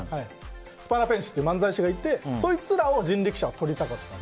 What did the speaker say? スパナペンチっていう漫才師がいてそいつらを人力舎は取りたかった。